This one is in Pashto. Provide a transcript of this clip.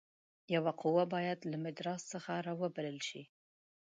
یوه قوه باید له مدراس څخه را وبلل شي.